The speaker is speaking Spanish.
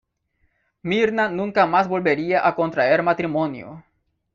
Myrna nunca más volvería a contraer matrimonio.